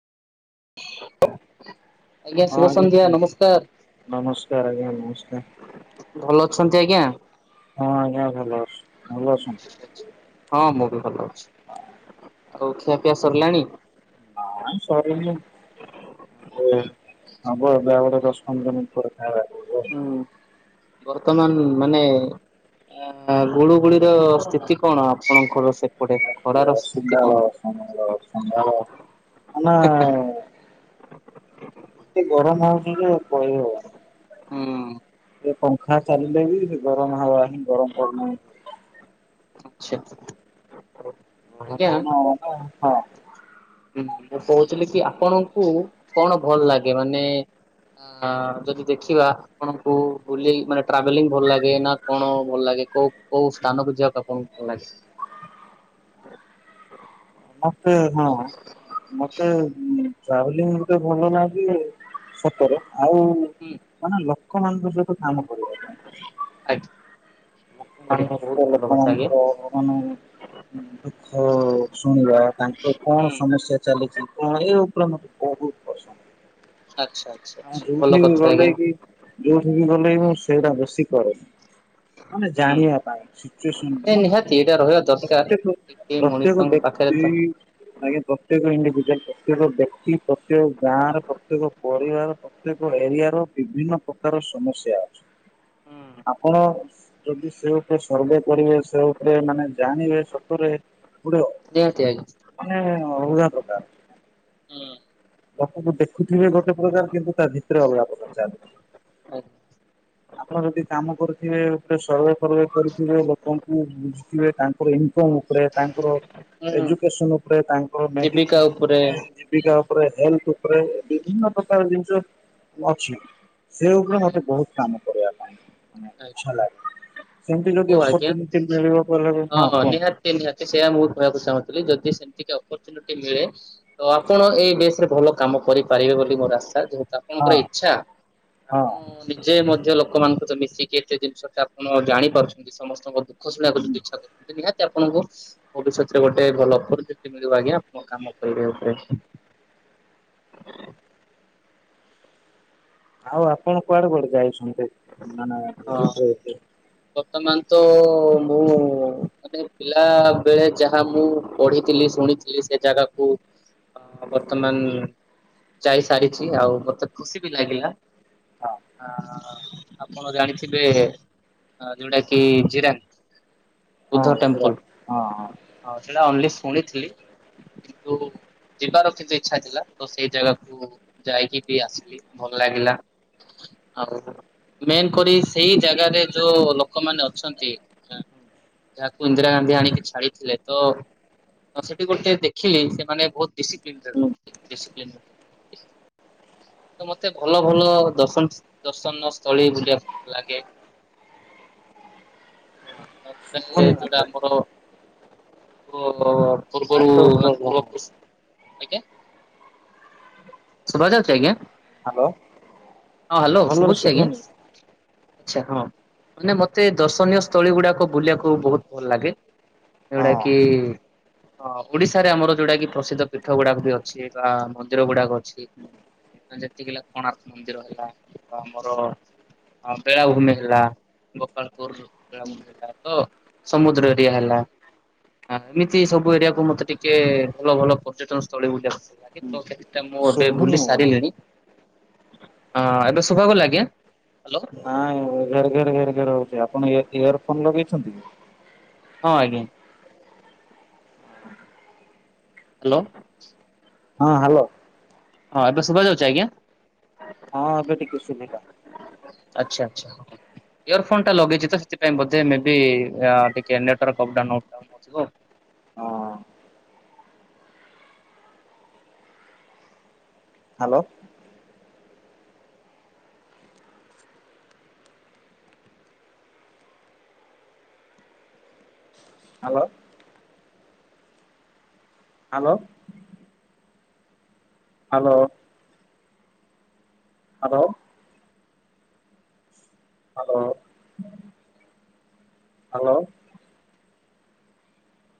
ଆଜ୍ଞା ଶୁଭ ସନ୍ଧ୍ୟା ଆଜ୍ଞା ନମସ୍କାର ନମସ୍କାର ଭଲ ଅଛନ୍ତି ଆଜ୍ଞା। ହଁ ଯା ଭଲ। ଭଲ ଅଛନ୍ତି ହଁ ମୁଁ ବି ଭଲ ଅଛି ଆଉ ଖିଆପିଆ ସରିଲାଣି? ଆ ସରିନି ଆବ ବ ଦଶ ପନ୍ଦର ମିନିଟ ପରେ ଖାଇବା [unintelligible] ହୁଁ ବର୍ତ୍ତମାନ ମାନେ ଆ ଗୁଳୁଗୁଳିର ସ୍ଥିତି କଣ ଆପଣଙ୍କର ସେପଟେ? ଖରାର ସ୍ଥିତି କଣ? ଅସମ୍ଭାଳ ଅସମ୍ଭାଳ ଅସମ୍ଭାଳ ମାନେ ଏତେ ଗରମ ହେଉଛି ଯେ କହି ହବନି ହଁ ଏ ପଙ୍ଖା ଚାଲିଲେ ବି ସେ ଗରମ ହାୱା ହିଁ ଗରମ ପବନ। ଆଛା ହ କହୁନ [unintelligible] ହୁଁ ମୁଁ କହୁଥିଲି କି ଆପଣଙ୍କୁ କଣ ଭଲ ଲାଗେ? ମାନେ ଆ ଯଦି ଦେଖିବା ଆପଣଙ୍କୁ ବୁଲି ମାନେ ଟ୍ରାଭେଲିଂ ଭଲ ଲାଗେ ନା କଣ ଭଲ ଲାଗେ? କୋଉ କୋଉ ସ୍ଥାନକୁ ଯିବାକୁ ଆପଣଙ୍କୁ ଭଲ ଲାଗେ? ଏ ହଁ ମତେ ଉଁ ଟ୍ରାଭେଲି ମତେ ଭଲ ଲାଗେ ସତରେ ଆଉ ହୁଁ ମାନେ ଲୋକ ମାନଙ୍କ ସହିତ କାମ କରିବାରେ। ଆ [unintelligible] ଲୋକମାନଙ୍କର [unintelligible] ଦୁଃଖ ଶୁଣିବା ତାଙ୍କର କଣ ହୁଁ ସମସ୍ୟା ଚାଲିଛି ଏ ଉପରେ ମତେ ବହୁତ ପସନ୍ଦ। ଆଚ୍ଛା ଆଚ୍ଛା ଆଚ୍ଛା ଭଲ ଯୋଉଠି ବି କଥା ଆଜ୍ଞା ଗଲେ କି ଯୋଉଠି ବି ଗଲେ ମୁ ସେଇଟା ବେଶୀ କରେ। ମାନେ ହୁଁ ଜାଣିବା ପାଇଁ ଏ ସିଚୁଏସନ ନିହାତି ଏଇଟା ରହିବା ଦରକାର। ପ୍ରତ୍ୟକ ଏ ପ୍ରତ୍ୟେକ ମଣିଷଙ୍କ ବ୍ୟ ପାଖରେ ତ ସେଇ ଆଜ୍ଞା ପ୍ରତ୍ୟେକ ଏଟ ଯେ ପ୍ରତ୍ୟେକ ବ୍ୟକ୍ତି ପ୍ରତ୍ୟେକ ଗାଁ ର ପ୍ରତ୍ୟେକ ପରିବାର ପ୍ରତ୍ୟେକ ଏରିଆ ର ବିଭିନ୍ନ ପ୍ରକାର ସମସ୍ୟା ଅଛି। ଆପଣ ଯଦି ସେ ଉପରେ ସର୍ଭେ କରିବେ ସେ ଉପରେ ମାନେ ଜାଣିବେ ସତରେ ପୁରା ନିହାତି ଆଜ୍ଞା ମାନେ ଅଲଗା ପ୍ରକାର। ହୁଁ ଲୋକଙ୍କୁ ଦେଖୁଥିବେ ଗୋଟେ ପ୍ରକାର କିନ୍ତୁ ତା ଭିତରେ ଅଲଗା ପ୍ରକାର ଚାଲିଛି [inaudible] ଆପଣ ଯଦି କାମ କରୁଥିବେ ସର୍ବେ ଫର୍ଭେ କରଥିବେ ଲୋକଙ୍କୁ ବୁଝୁଥିବେ ତାଙ୍କର ଏମିତି ଲୋକଙ୍କ ଉପରେ ତାଙ୍କର ହୁଁ ଏଜୁକେସନ୍ ଉପରେ ତାଙ୍କର ମେଡି ଜୀବିକା ଉପରେ ମାନେ ଜୀବିକା ଉପରେ ହେଲଥ ଉପରେ ବିଭିନ୍ନ ପ୍ରକାର ଜିନିଷ ଅଛି ସେ ଉପରେ ମତେ ବହୁତ କାମ କରିବା ପାଇଁ ମାନେ ଇଛା ଲାଗେ। ସେମିତି ଯଦି ହଉ ଆଜ୍ଞା ଅପରଚୁନିଟି ମିଳିବ କହିଲେ ହଁ କୁହନ୍ତୁ। ନିହାତି ନିହାତି ସେୟା ମୁ କହିବାକୁ ଚାହୁଁଚି। ଯଦି ସେମିତିକା ଅପରଚୁନିଟି ମିଳେ ତ ଆପଣ ଏଇ ବସ ରେ ଭଲ କାମ କରିପାରିବେ ବୋଲି ମୋର ଆଶା ଯେ ହଁ ଆପଣଙ୍କର ଇଚ୍ଛା ହଁ ଆପଣ ନିଜେ ମ ଲୋକମାନଙ୍କ ତ ମିଶିକି ଏତେ ଜିନିଷ ଆପଣ ଜାଣିପାରୁଛନ୍ତି ସମସ୍ତଙ୍କ ଦୁଃଖ ଶୁଣିବାକୁ ହୁଁ। ଯଦି ଇଚ୍ଛା କରୁଛନ୍ତି ନିହାତି ଆପଣଙ୍କୁ ଭବିଷ୍ୟତରେ ଗୋଟେ ଭଲ ଅପରଚୁନିଟି ମିଳିବ ଆଜ୍ଞା ଆପଣଙ୍କ କାମ କରିବ ଉପରେ। [inaudible] ଆଉ ଆପଣ କୁଆଡେ କୁଆଡେ ଯାଇଛନ୍ତି ମାନେ ହଁ। ଭିଯିଟ ବର୍ତ୍ତମାନ ତ ମୁଁ ମାନେ ପିଲାବେଳେ ଯାହା ମୁଁ ପଢ଼ିଥିଲି ଶୁଣିଥିଲି ସେ ଜାଗାକୁ ବର୍ତ୍ତମାନ ଯାଇ ସାରିଛି ଆଉ ମତେ ଖୁସି ବି ଲାଗିଲା। ହଁ ହ ଆପଣ ଜାଣିଥିବେ ଅ ଯୋଉଟା କିି ଜିରାନ୍ ହଁ ବୁଦ୍ଧ ପୁରା ଟେମ୍ପଲ ହଁ ହଁ। ସେଟା ଓନଲି ଶୁଣିଥିଲି କିନ୍ତୁ ଯିବାର କିଛି ଇଚ୍ଛା ଥିଲା ତ ସେଇ ଜାଗାକୁ ଯାଇକି ବି ଆସିଲି ଭଲ ଲାଗିଲା। ଆଉ ମେନ୍ କରି ସେଇ ଜାଗାରେ ଯୋଉ ଲୋକମାନେ ଅଛନ୍ତି ଯାହାକୁ ଇନ୍ଦିରା ଗାନ୍ଧୀ ଆଣିକି ଛାଡିଥିଲେ ତ ତ ସେଠି ଗୋଟେ ଦେଖିଲି ସେମାନେ ବହୁତ ଡିସିପ୍ଲିନ୍ ରେ ହୁଁ। ରୁହନ୍ତି ଡିସିପ୍ଲିନ ରେ ରୁହ [inaudible] ତ ମତେ ଭଲ ଭଲ ଦର୍ଶନ ଦର୍ଶନସ୍ଥଳୀ ବୁଲିବା ଲାଗେ। ଆଉ ଗଟେ ଶୁଭୁନି ଯୋଉଟା ମତେ ଆମର ପୂର୍ବରୁ ନେଟୱାର୍କ ମାନେ ପ୍ରୋବ୍ଲେମ୍ ହଉଛି। ପୂର୍ବପୁରୁଷ ଆଜ୍ଞା ଶୁଭା ଯାଉଛି ଆଜ୍ଞା? ହ୍ୟାଲୋ ହଁ ହ୍ୟାଲୋ ଭଲରେ ଶୁଭୁଛି ଆଜ୍ଞା। ଶୁଭୁନି ଆଚ୍ଛା ହଁ ମାନେ ମତେ ଦର୍ଶନୀୟ ସ୍ଥଳୀ ଗୁଡାକ ବୁଲିବାକୁ ବହୁତ ଭଲ ଲାଗେ। ଏଇ ଗୁଡ଼ା ହଁ। କି ହଁ ଓଡିଶାରେ ଆମର ଯୋଉଟା କି ପ୍ରସିଦ୍ଧ ପୀଠ ଗୁଡାକ ବି ଅଛି ବା ମନ୍ଦିର ଗୁଡାକ ଅଛି। ଯେତିକି ହେଲା କୋଣାର୍କ ମନ୍ଦିର ହେଲା ବା ଆମର ବେଳାଭୂମି ହେଲା ଗୋପାଳପୁର ବେଳାଭୂମି ହେଲା ତ ସମୁଦ୍ର ଏରିଆ ହେଲା। ହ ଏମିତି ସବୁ ଏରିଆକୁ ମତେ ଟିକେ ଭଲ ଭଲ ପର୍ଯ୍ୟଟନ ସ୍ଥଳୀ ବୁଲିବାକୁ ପଡ଼ିଲା ହୁଁ [unintelligible] ମୁଁ ଏବେ ବୁଲି ଶୁଭୁନି ଆଜ୍ଞା ସାରିଲିଣି ହଁ ଏବେ ଶୁଭାଗଲା ଆଜ୍ଞା। ହ୍ୟାଲୋ ନାଇଁ ଘେର ଘେର ଘେର ଘେର ହଉଛି ଆପଣ ଇୟର ଇୟର ଫୋନ ଲଗେଇଛନ୍ତି? ହଁ ଆଜ୍ଞା। ହ୍ୟାଲୋ। ହଁ ହ୍ୟାଲୋ। ହଁ ଏବେ ସୁବା ଯାଉଛି ଆଜ୍ଞା। ହଁ ଏବେ ଟିିକେ ଶୁଭିଲା। ଆଚ୍ଛା ଆଚ୍ଛା। ଇୟର ଫୋନ୍ ଟା ଲଗେଇଛି ତ ସେଥିପାଇଁ ବୋଧେ ମେ ବି ଅ ଟିକେ network of down of down ହେଉଥିବ। ହଁ hello. Hello. Hello. Hello. Hello. Hello hello